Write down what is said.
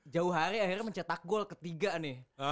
jauhari akhirnya mencetak gol ketiga nih